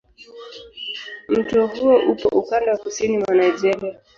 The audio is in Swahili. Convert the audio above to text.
Mto huo upo ukanda wa kusini mwa Nigeria.